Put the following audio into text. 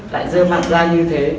lại rơ mặt ra như thế